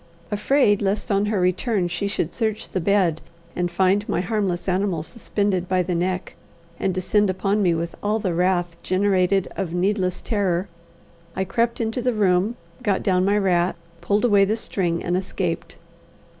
Afraid lest on her return she should search the bed, find my harmless animal suspended by the neck, and descend upon me with all the wrath generated of needless terror, I crept into the room, got down my rat, pulled away the string, and escaped.